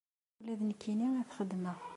Ula d nekkini ad t-xedmeɣ.